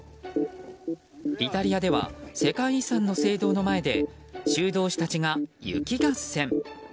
イタリアでは世界遺産の聖堂の前で修道士たちが雪合戦。